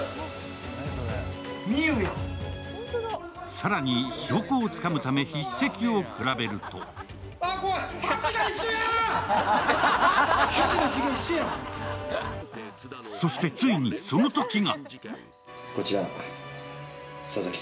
更に、証拠をつかむため筆跡を比べるとそしてついにそのときが！